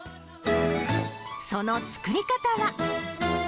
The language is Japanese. その作り方は。